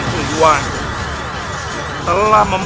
aku akan mencari dia